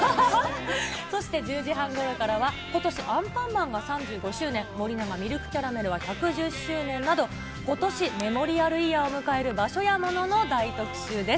そして１０時半ごろからは、今年、アンパンマンが３５周年、森永ミルクキャラメルは１１０周年など、今年メモリアルイヤーを迎える場所や物の大特集です。